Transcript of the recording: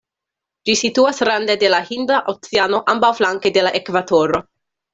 Ĝi situas rande de la Hinda Oceano ambaŭflanke de la ekvatoro.